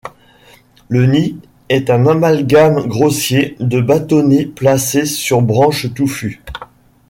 Le nid est un amalgame grossier de bâtonnets placé sur branche touffue.